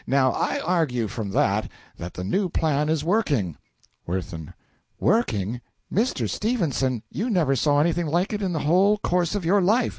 Now I argue from that, that the new plan is working. WIRTHIN. Working? Mr. Stephenson, you never saw anything like it in the whole course of your life!